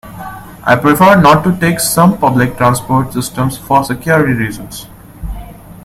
I prefer not to take some public transport systems for security reasons.